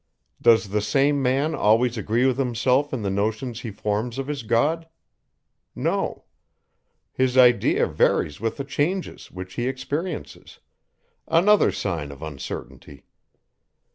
Does the same man always agree with himself in the notions he forms of his God? No. His idea varies with the changes, which he experiences; another sign of uncertainty.